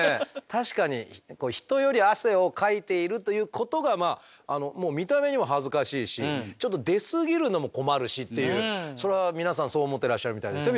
確かに人より汗をかいているということが見た目にも恥ずかしいしちょっと出過ぎるのも困るしっていうそれは皆さんそう思ってらっしゃるみたいですよ